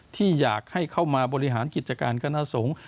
ที่อยากให้เข้ามาบริหารกิจการคณะสงฆ์